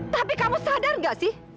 tapi kamu sadar gak sih